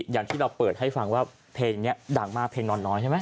อย่างที่เราเปิดให้ฟังว่าเพลงนี้ดังมากเพลงนอนน้อยใช่ไหม